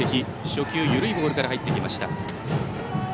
初球、緩いボールから入ってきました。